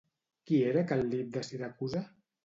Qui era Cal·lip de Siracusa?